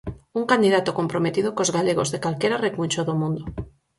Un candidato comprometido cos galegos de calquera recuncho do mundo.